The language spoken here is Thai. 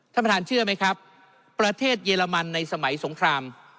ท่านประธานเชื่อไหมครับประเทศเยอรมันในสมัยสงคราม